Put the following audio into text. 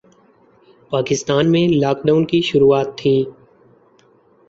پاکستان میں lockdown کی شروعات تھیں